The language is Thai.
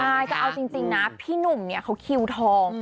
ใช่แต่เอาจริงนะพี่หนุ่มเนี่ยเขาคิวทอง